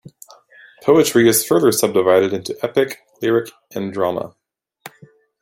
Poetry is further subdivided into epic, lyric, and drama.